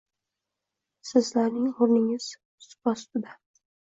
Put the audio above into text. Sizlarning o’rningiz supa ustida